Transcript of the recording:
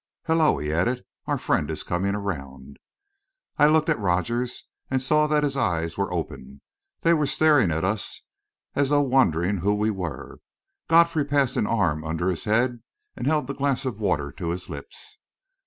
Hello," he added, "our friend is coming around." I looked at Rogers and saw that his eyes were open. They were staring at us as though wondering who we were. Godfrey passed an arm under his head and held the glass of water to his lips.